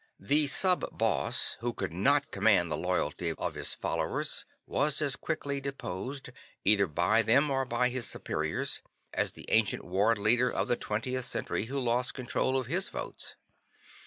The sub boss who could not command the loyalty of his followers was as quickly deposed, either by them or by his superiors, as the ancient ward leader of the 20th Century who lost control of his votes.